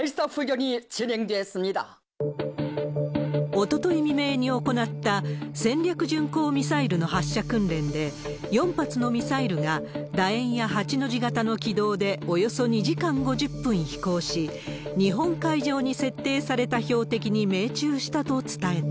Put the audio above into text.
おととい未明に行った、戦略巡航ミサイルの発射訓練で、４発のミサイルがだ円や８の字型の軌道で、およそ２時間５０分飛行し、日本海上に設定された標的に命中したと伝えた。